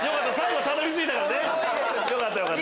よかったよかった！